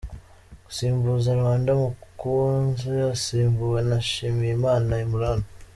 Gusimbuza: Rwanda Mukunzi asimbuwe na Nshimiyimana Imran.